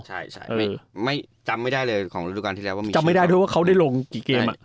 ใช่ไม่จำไม่ได้เลยของฤดูการที่แล้วว่ามีจำไม่ได้ด้วยว่าเขาได้ลงกี่เกม